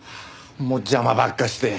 もう邪魔ばっかして。